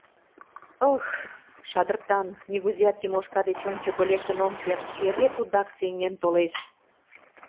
Ых, шадыртан, нигузеат Тимошка деч ончыко лектын ом керт, эре тудак сеҥен толеш.